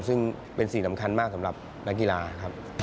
ซึ่งเป็นสิ่งสำคัญมากสำหรับนักกีฬาครับ